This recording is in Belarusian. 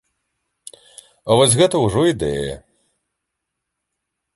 А вось гэта ўжо ідэя!